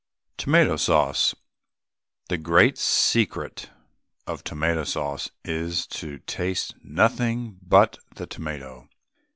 TOMATO SAUCE. The great secret of tomato sauce is to taste nothing but the tomato.